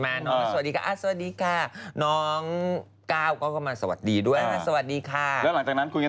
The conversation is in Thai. แล้วเห็นบอกคุณเปลี่ยนบุคลิกด้วยใช่ไหมเรื่องนี้